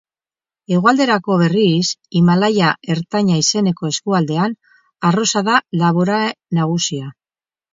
Hegoalderago, berriz, Himalaia ertaina izeneko eskualdean, arroza da labore nagusia.